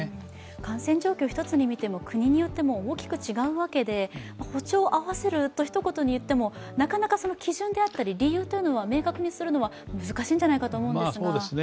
感染状況１つに見ても、国によっても大きく違うわけで、歩調を合わせると一言で言っても、なかなか基準であったり理由を明確にするのは難しいんじゃないかと思うんですが。